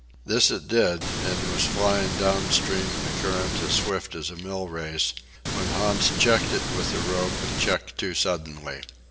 This it did, and was flying down stream in a current as swift as a mill race, when Hans checked it with the rope and checked too suddenly.